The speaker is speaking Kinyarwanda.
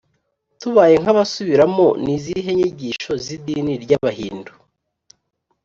tubaye nk’abasubiramo, ni izihe nyigisho z’idini ry’abahindu?